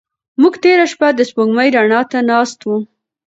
موږ تېره شپه د سپوږمۍ رڼا ته ناست وو.